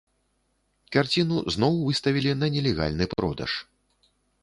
Карціну зноў выставілі на нелегальны продаж.